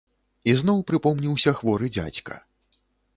Ізноў прыпомніўся хворы дзядзька.